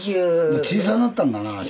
小さなったんだな足。